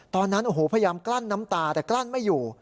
ตอนนั้นโอ้โหพยายามกลั้นน้ำตาแต่กลั้นไม่อยู่